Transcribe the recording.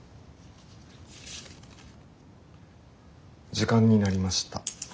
時間になりました。